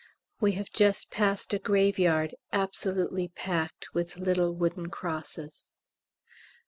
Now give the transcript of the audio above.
We have just passed a graveyard absolutely packed with little wooden crosses.